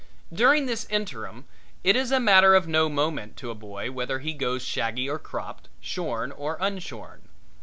During this interim it is a matter of no moment to a boy whether he goes shaggy or cropped, shorn or unshorn.